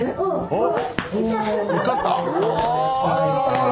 あっ！